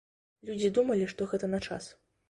Людзі думалі, што гэта на час.